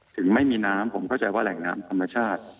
ถึงไม่มีน้ำผมเข้าใจว่าแหล่งน้ำธรรมชาติ